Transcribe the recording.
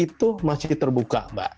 itu masih terbuka mbak